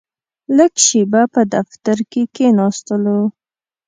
لږه شېبه په دفتر کې کښېناستلو.